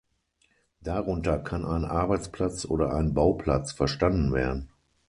Darunter kann ein Arbeitsplatz oder ein Bauplatz verstanden werden.